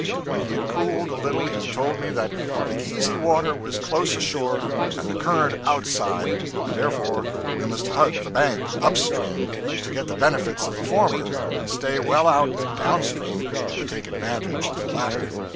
When he had cooled a little he told me that the easy water was close ashore and the current outside, and therefore we must hug the bank, up stream, to get the benefit of the former, and stay well out, down stream, to take advantage of the latter.